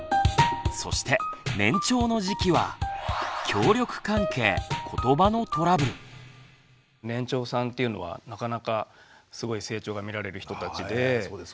そして年長の時期は年長さんっていうのはなかなかすごい成長が見られる人たちで。